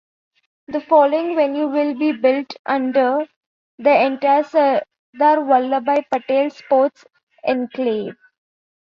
The following venues will be built under the entire Sardar Vallabhbhai Patel Sports Enclave.